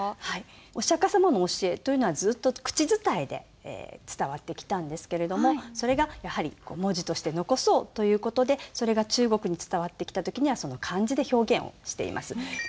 お釈様の教えというのはずっと口伝えで伝わってきたんですけれどもそれがやはり文字として残そうという事でそれが中国に伝わってきた時には漢字で表現をしています。